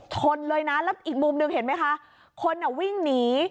ชนเลยนะแล้วอีกมุมหนึ่งเห็นไหมคะคนอ่ะวิ่งหนี